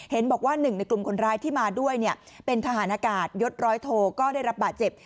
เห็นบอกว่าหนึ่งในกลุ่มคนร้ายที่มาด้วยเป็นทหารอากาศยดร้อยโทก็ได้รับบาดเจ็บ